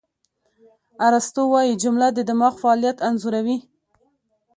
ارسطو وایي، جمله د دماغ فعالیت انځوروي.